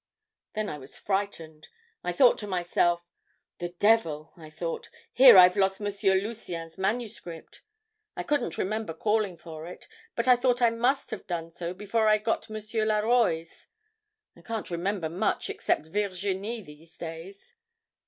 Then I was frightened. I thought to myself, 'The devil,' I thought, 'here I've lost M. Lucien's manuscript.' I couldn't remember calling for it, but I thought I must have done so before I got M. Laroy's. I can't remember much except Virginie these days.